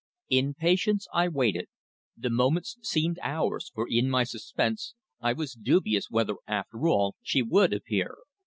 In patience I waited. The moments seemed hours, for in my suspense I was dubious whether, after all, she would appear.